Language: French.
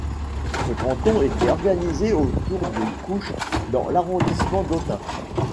Ce canton était organisé autour de Couches dans l'arrondissement d'Autun.